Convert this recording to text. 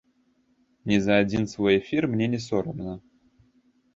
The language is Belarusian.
Ні за адзін свой эфір мне не сорамна.